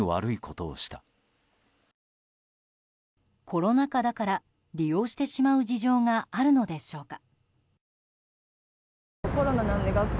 コロナ禍だから利用してしまう事情があるのでしょうか。